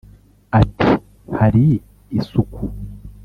Ati “Hari isuku